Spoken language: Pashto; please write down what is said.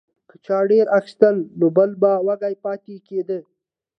که چا ډیر اخیستل نو بل به وږی پاتې کیده.